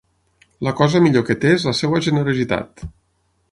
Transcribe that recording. La cosa millor que té és la seva generositat.